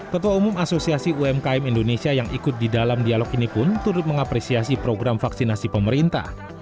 ketua umum asosiasi umkm indonesia yang ikut di dalam dialog ini pun turut mengapresiasi program vaksinasi pemerintah